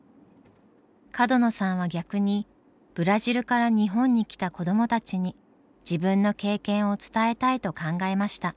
角野さんは逆にブラジルから日本に来た子どもたちに自分の経験を伝えたいと考えました。